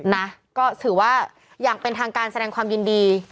นะก็ถือว่าอย่างเป็นทางการแสดงความยินดี